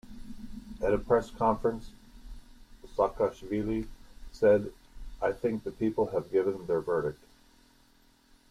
At a press conference, Saakashvili said: I think the people have given their verdict.